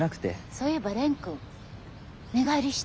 そういえば蓮くん寝返りした？